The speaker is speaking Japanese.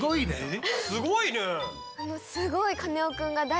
すごいね。